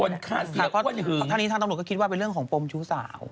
ถ้านี้ทางตำรวจก็คิดว่าเป็นเรื่องของปมชู้สาว